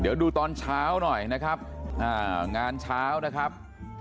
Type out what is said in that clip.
เดี๋ยวดูตอนเช้าหน่อยนะครับงานเช้านะครับ